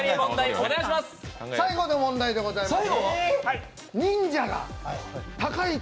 最後の問題でございます。